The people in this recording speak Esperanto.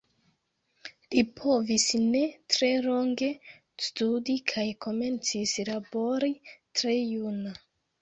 Li povis ne tre longe studi kaj komencis labori tre juna.